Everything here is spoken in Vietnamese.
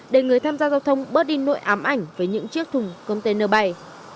để người tham gia giao thông bớt đi nội ám ảnh với những chiếc thùng container bay